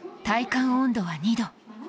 体感温度は２度。